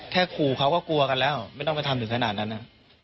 ขู่เขาก็กลัวกันแล้วไม่ต้องไปทำถึงขนาดนั้น